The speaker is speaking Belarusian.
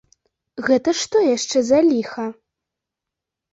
Гэта што яшчэ за ліха?